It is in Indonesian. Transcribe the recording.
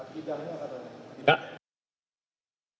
kedatangan buku tadi